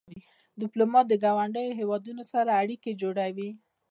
ډيپلومات د ګاونډیو هېوادونو سره اړیکې جوړوي.